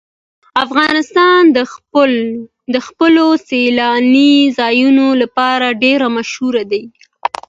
افغانستان د خپلو سیلاني ځایونو لپاره ډېر مشهور دی.